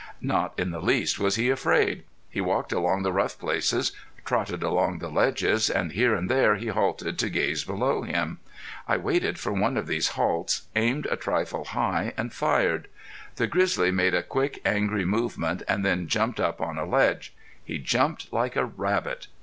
Not in the least was he afraid. He walked along the rough places, trotted along the ledges, and here and there he halted to gaze below him. I waited for one of these halts, aimed a trifle high, and fired. The grizzly made a quick, angry movement and then jumped up on a ledge. He jumped like a rabbit.